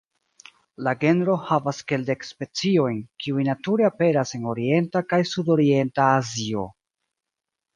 La genro havas kelkdek speciojn, kiuj nature aperas en orienta kaj sudorienta Azio.